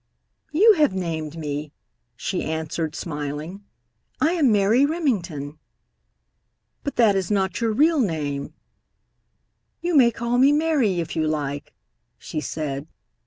"You have named me," she answered, smiling. "I am Mary Remington." "But that is not your real name." "You may call me Mary if you like," she said.